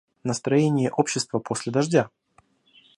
Настроение общества после дождя.